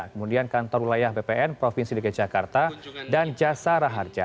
kemudian kantor wilayah bpn provinsi dki jakarta dan jasara harja